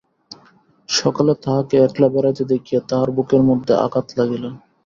সকালে তাহাকে একলা বেড়াইতে দেখিয়া তাঁহার বুকের মধ্যে আঘাত লাগিল।